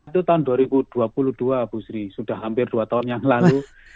itu tahun dua ribu dua puluh dua bu sri sudah hampir dua tahun yang lalu